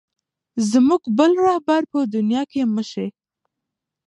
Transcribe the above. زموږ بل رهبر په دنیا کې مه شې.